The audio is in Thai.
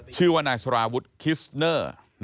ชื่อว่านายสารวุฒิคิสเนอร์